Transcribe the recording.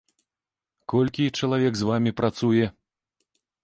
Колькі чалавек з вамі працуе?